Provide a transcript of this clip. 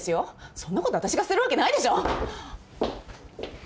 そんなことあたしがするわけないでしょ。